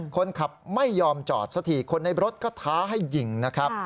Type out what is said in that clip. คนขับไม่ยอมจอดสักทีคนในรถก็ท้าให้ยิงนะครับ